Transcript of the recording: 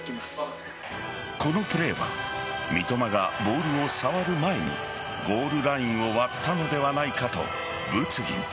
このプレーは三笘がボールを触る前にゴールラインを割ったのではないかと物議に。